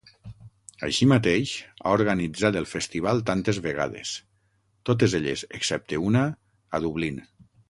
Així mateix, ha organitzat el Festival tantes vegades; totes elles, excepte una, a Dublín.